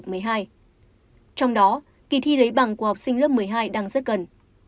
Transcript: trong đó kỳ thi lấy bằng của học sinh lớp một mươi hai đang rất gần